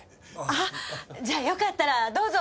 あっじゃあよかったらどうぞ。